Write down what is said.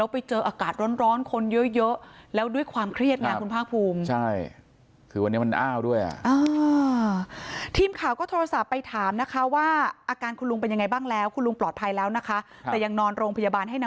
ไปเจออากาศร้อนคนเยอะแล้วด้วยความเครียดไงคุณภาคภูมิ